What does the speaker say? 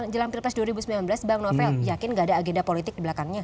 jelang pilpres dua ribu sembilan belas bang novel yakin gak ada agenda politik di belakangnya